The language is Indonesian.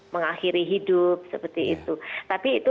mengakhiri hidup seperti itu tapi itu